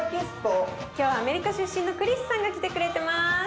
今日はアメリカ出身のクリスさんが来てくれてます。